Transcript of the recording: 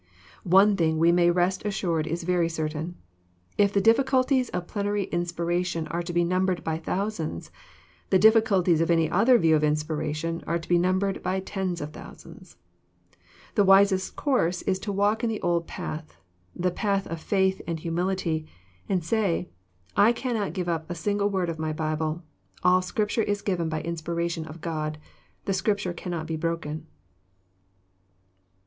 One thing we may rest assured is very certain, — if the difficulties of • plenary inspiration are to be numbered by thousands, the difficulties of any other view of inspiration, are to be num bered by tens of thousands. The wisest course is to walk in the old path, — the path of faith and humility ; and say, *' I cannot give up a single word of my Bible. All Scrip ture is given by inspiration of God. The Scripture cannot be broken."